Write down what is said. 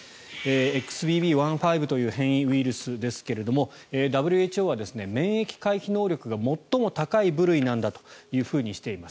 ＸＢＢ．１．５という変異ウイルスですがＷＨＯは免疫回避能力が最も高い部類なんだとしています。